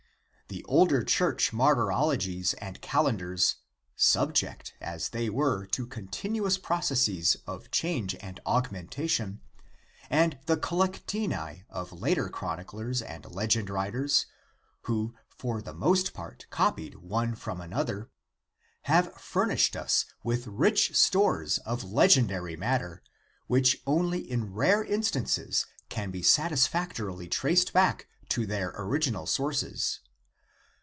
The older church martyrologies and cal endars, subject as they were to continuous processes of change and augmentation, and the collectanea of later chron iclers and legend writers, who for the most part copied one from another, have furnished us with rich stores of legendary matter, which only in rare instances can be satisfactorily traced back to their original sources."